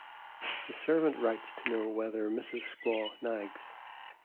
The servant writes to know whether Mrs. Squaw nags.